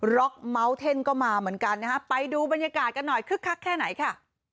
ล็อกเมาส์เท่นก็มาเหมือนกันนะฮะไปดูบรรยากาศกันหน่อยคึกคักแค่ไหนค่ะ